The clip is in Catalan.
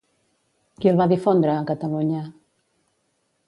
Qui el va difondre a Catalunya?